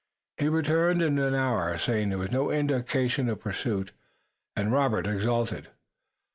He returned in an hour saying there was no indication of pursuit, and Robert exulted.